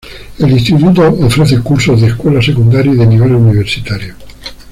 El instituto ofrece cursos de escuela secundaria y de nivel universitario.